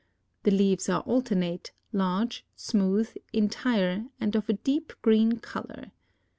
The leaves are alternate, large, smooth, entire, and of a deep green color.